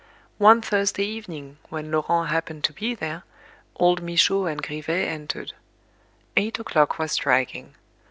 One Thursday evening, when Laurent happened to be there, old Michaud and Grivet entered. Eight o'clock was striking.